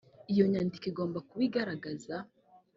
iyo nyandiko igomba kuba igaragaza